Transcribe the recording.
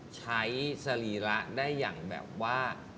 สรีระได้อย่างแบบว่า